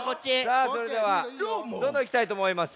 さあそれではどんどんいきたいとおもいます。